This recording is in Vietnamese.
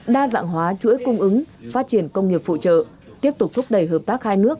đa dạng hóa chuỗi cung ứng phát triển công nghiệp phụ trợ tiếp tục thúc đẩy hợp tác hai nước